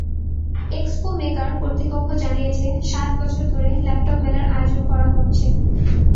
Expo Maker কর্তৃপক্ষ জানিয়েছে, সাত বছর ধরে ল্যাপটপ মেলার আয়োজন করা হচ্ছে।